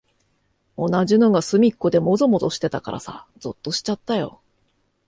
同じのがすみっこでもぞもぞしてたからさ、ぞっとしちゃったよ。